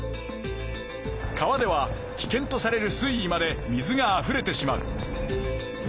川ではきけんとされる水位まで水があふれてしまう。